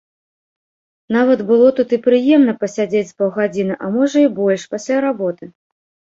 Нават было тут і прыемна пасядзець з паўгадзіны, а можа і больш, пасля работы.